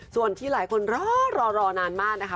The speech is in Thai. ส่วนที่หลายคนรอรอนานมากนะคะ